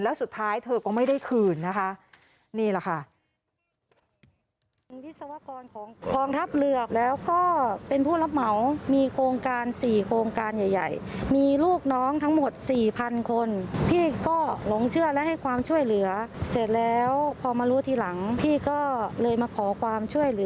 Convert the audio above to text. แล้วสุดท้ายเธอก็ไม่ได้คืนนะคะนี่แหละค่ะ